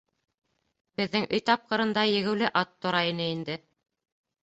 Беҙҙең өй тапҡырында егеүле ат тора ине инде.